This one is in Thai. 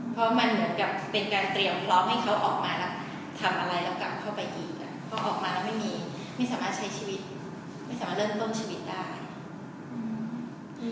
เพราะมันเหมือนกับเป็นการเตรียมพร้อมให้เขาออกมาแล้วทำอะไรแล้วกลับเข้าไปอีกเพราะออกมาแล้วไม่มีไม่สามารถใช้ชีวิตไม่สามารถเริ่มต้นชีวิตได้